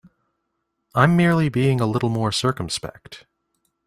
I'm merely being a little more circumspect.